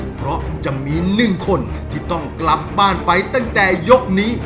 เพราะจะมี๑คนที่ต้องกลับบ้านไปตั้งแต่ยกนี้